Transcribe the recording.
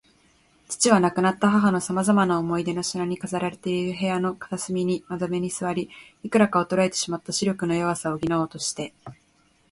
父は、亡くなった母のさまざまな思い出の品に飾られている部屋の片隅の窓辺に坐り、いくらか衰えてしまった視力の弱さを補おうとして